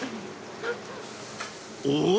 ［おっ。